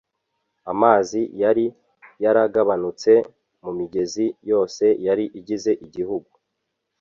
amazi yari yaragabanutse mumigezi yose yari igize igihugu